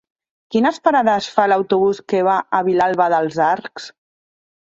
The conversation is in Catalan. Quines parades fa l'autobús que va a Vilalba dels Arcs?